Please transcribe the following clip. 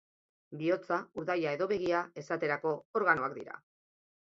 Bihotza, urdaila edo begia, esaterako, organoak dira.